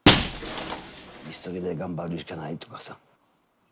一人で頑張るしかないとかさ。